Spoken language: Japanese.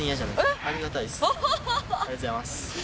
ありがとうございます。